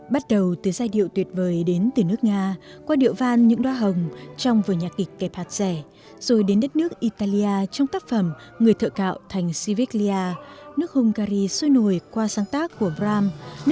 bắt đầu từ giai điệu tuyệt vời đến từ nước nga qua điệu van những đoá hồng trong vời nhạc kịch kepatze rồi đến đất nước italia trong tác phẩm người thợ cạo thành siviglia nước hungary xôi nổi qua sáng tác của bram